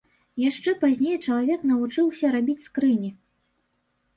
Яшчэ пазней чалавек навучыўся рабіць скрыні.